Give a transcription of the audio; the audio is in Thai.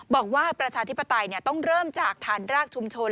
ประชาธิปไตยต้องเริ่มจากฐานรากชุมชน